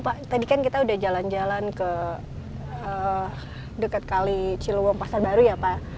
pak tadi kan kita udah jalan jalan ke dekat kali ciliwung pasar baru ya pak